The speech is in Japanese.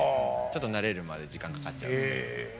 ちょっと慣れるまで時間かかっちゃうっていう。